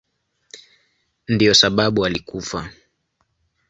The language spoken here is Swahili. Ndiyo sababu alikufa.